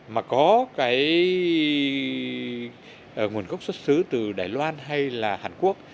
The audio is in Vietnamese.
mà có cái nguồn gốc xuất xứ từ đài loan hay là hàn quốc